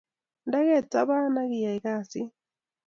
ndekei tapan akiyai kasit